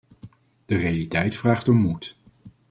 De realiteit vraagt om moed.